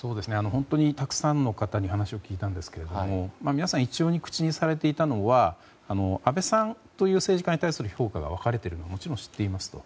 本当にたくさんの方に話を聞いたんですけれども皆さん、一様に口にされていたのは安倍さんという政治家に対する評価が分かれているのはもちろん知っていますと。